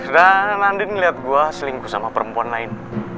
dan andin ngeliat gue selingkuh sama perempuan lain